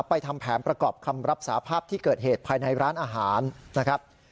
ทำแผนประกอบคำรับสาภาพที่เกิดเหตุภายในร้านอาหารนะครับ